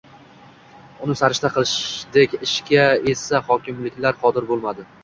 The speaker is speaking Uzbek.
uni sarishta qilishdek ishga esa hokimliklar qodir bo‘lmadi.